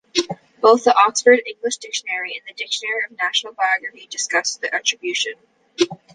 Both the "Oxford English Dictionary" and "The Dictionary of National Biography" discuss the attribution.